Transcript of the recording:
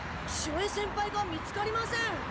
潮江先輩が見つかりません。